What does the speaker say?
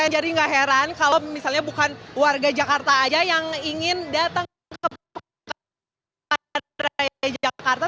jadi nggak heran kalau misalnya bukan warga jakarta aja yang ingin datang ke pekan raya jakarta